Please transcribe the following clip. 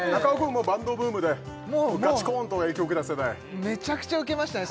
もうバンドブームでガチコーンと影響受けた世代もうめちゃくちゃ受けましたね